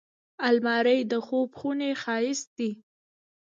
الماري د خوب خونې ښايست دی